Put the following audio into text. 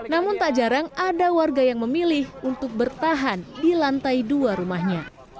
namun tak jarang ada warga yang memilih untuk bertahan di lantai dua rumahnya